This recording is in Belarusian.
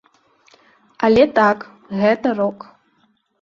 Але так, гэта рок.